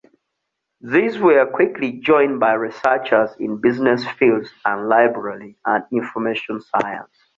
These were quickly joined by researchers in business fields and library and information science.